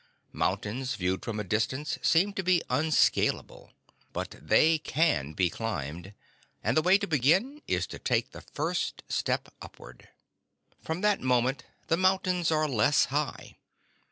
Mountains viewed from a distance seem to be unscalable. But they can be climbed, and the way to begin is to take the first upward step. From that moment the mountains are less high.